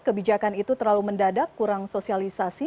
kebijakan itu terlalu mendadak kurang sosialisasi